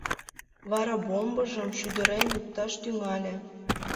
Вара бомбыжым шӱдырен лукташ тӱҥале.